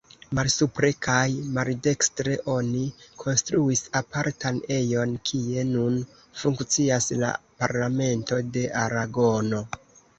Malsupre kaj, maldekstre, oni konstruis apartan ejon kie nun funkcias la parlamento de Aragono.